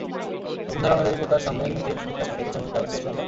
নতুন ধারা অনুযায়ী কুর্তার সামনের নিচের দিকটা ছোট, পেছনের দিকটা বেশ লম্বা।